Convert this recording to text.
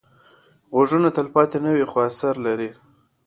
غږونه تلپاتې نه وي، خو اثر لري